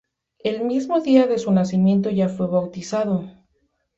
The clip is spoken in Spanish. El mismo día de su nacimiento ya fue bautizado.